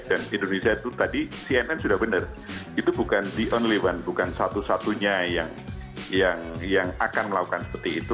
dan indonesia itu tadi cnn sudah benar itu bukan the only one bukan satu satunya yang akan melakukan seperti itu